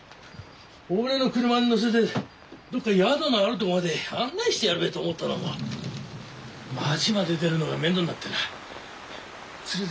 俺の車に乗せてどっか宿のあるとこまで案内してやるべと思ったども町まで出るのが面倒になってな連れてきた。